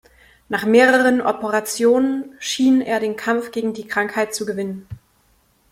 Nach mehreren Operationen schien er den Kampf gegen die Krankheit zu gewinnen.